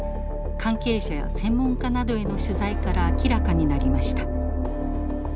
関係者や専門家などへの取材から明らかになりました。